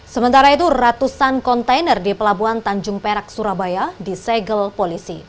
sementara itu ratusan kontainer di pelabuhan tanjung perak surabaya disegel polisi